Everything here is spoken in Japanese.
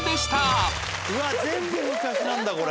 うわっ全部昔なんだこれ。